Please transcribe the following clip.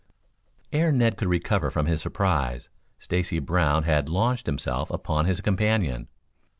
Ere Ned could recover from his surprise, Stacy Brown had launched himself upon his companion.